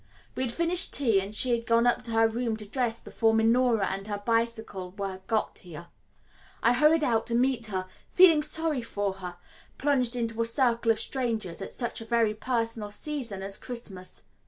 We had finished tea and she had gone up to her room to dress before Minora and her bicycle were got here. I hurried out to meet her, feeling sorry for her, plunged into a circle of strangers at such a very personal season as Christmas.